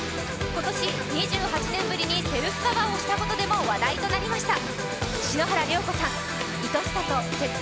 今年、２８年ぶりにセルフカバーをしたことでも話題となりました。